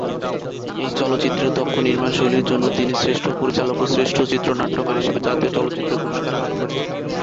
এই চলচ্চিত্রের দক্ষ নির্মাণ শৈলীর জন্য তিনি শ্রেষ্ঠ পরিচালক ও শ্রেষ্ঠ চিত্রনাট্যকার হিসেবে জাতীয় চলচ্চিত্র পুরস্কার লাভ করেন।